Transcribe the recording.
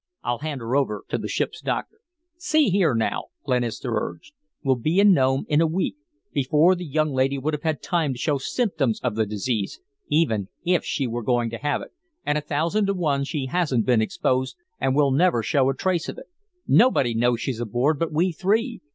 "I'll hand her over to the ship's doctor." "See here, now," Glenister urged. "We'll be in Nome in a week before the young lady would have time to show symptoms of the disease, even if she were going to have it and a thousand to one she hasn't been exposed, and will never show a trace of it. Nobody knows she's aboard but we three.